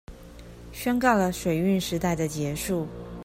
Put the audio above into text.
宣告了水運時代的結束